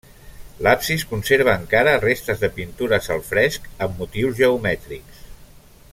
L'absis conserva encara restes de pintures al fresc amb motius geomètrics.